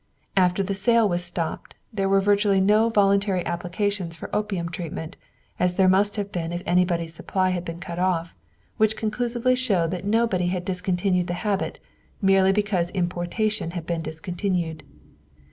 After the sale was stopped, there were virtually no voluntary applications for opium treatment, as there must have been if anybody's supply had been cut off, which conclusively showed that nobody had discontinued the habit merely because importation had been discontinued.